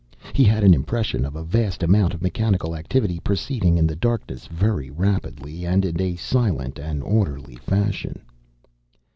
He had an impression of a vast amount of mechanical activity, proceeding in the darkness very rapidly, and in a silent and orderly fashion.